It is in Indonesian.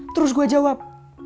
terus gue jawab